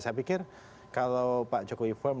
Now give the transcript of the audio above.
saya pikir kalau pak jokowi firm